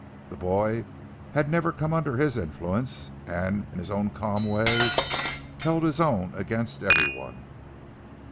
The boy had never come under his influence, and in his own calm way held his own against everyone.